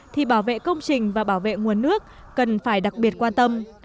thì bảo vệ công trình và bảo vệ nguồn nước cần phải đặc biệt quan tâm